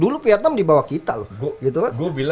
dulu vietnam dibawa kita loh